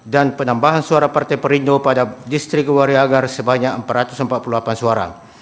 dan penambahan suara partai perindo pada distrik wariagar sebanyak empat ratus empat puluh delapan suara